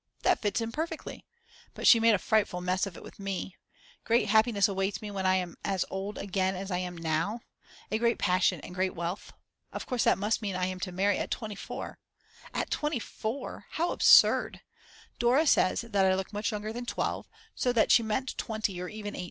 That fits in perfectly. But she made a frightful mess of it with me: Great happiness awaits me when I am as old again as I am now; a great passion and great wealth. Of course that must mean that I am to marry at 24. At 24! How absurd! Dora says that I look much younger than 12 so that she meant 20 or even 18.